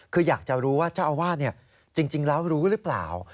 คืออยากจะรู้ว่าเจ้าอาวาสจริงแล้วรู้หรือเปล่า